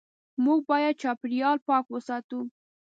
موږ باید چاپېریال پاک وساتو.